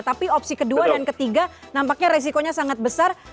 tapi opsi kedua dan ketiga nampaknya resikonya sangat besar